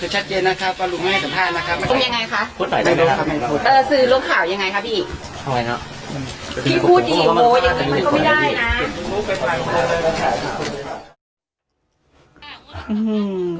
ชัดเจนนะครับพอลุงให้สัมภาษณ์สื่อรวมข่าวยังไงครับพี่อีก